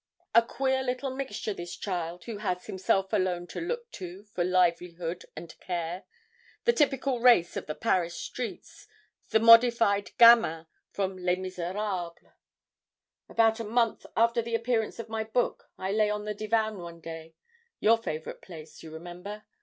A queer little mixture this child who has himself alone to look to for livelihood and care, the typical race of the Paris streets, the modified gamin from 'Les Miserables.' "About a month after the appearance of my book I lay on the divan one day, your favorite place, you remember?